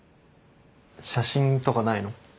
写真とかないの？